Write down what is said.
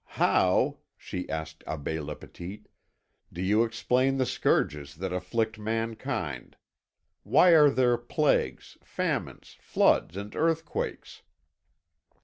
"How," she asked Abbé Lapetite, "do you explain the scourges that afflict mankind? Why are there plagues, famines, floods, and earthquakes?"